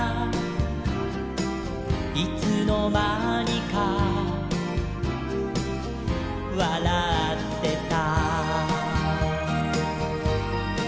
「いつのまにかわらってた」